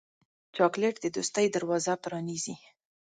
چاکلېټ د دوستۍ دروازه پرانیزي.